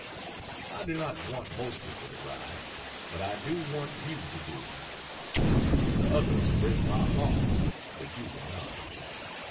I do not want most people to write, but I do want you to do it. The others break my heart, but you will not.